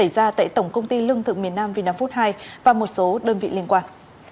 công ty lương thực miền nam vnv hai và một số đơn vị liên quan